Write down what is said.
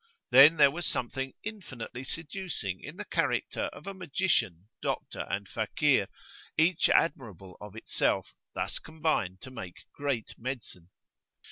Then there was something infinitely seducing in the character of a magician, doctor, and fakir, each admirable of itself, thus combined to make "great medicine."